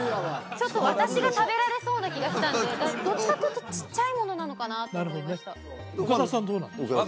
ちょっと私が食べられそうな気がしたんでどっちかっていうとちっちゃいものなのかなと思いました岡田さんどうなんでしょう？